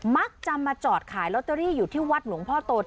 มักจะมาจอดขายลอตเตอรี่อยู่ที่วัดหลวงพ่อโตน